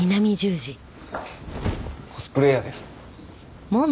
コスプレイヤーです。